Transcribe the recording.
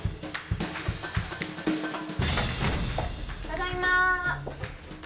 ただいま。